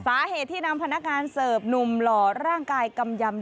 สาเหตุที่นำพนักงานเสิร์ฟหนุ่มหล่อร่างกายกำยำ